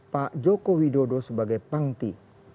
pak joko widodo sebagai panti